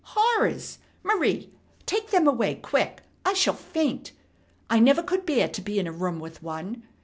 Horrors! Marie, take them away quick! I shall faint! I never could bear to be in a room with one.